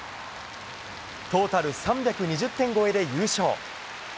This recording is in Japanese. トータル３２０点超えで優勝！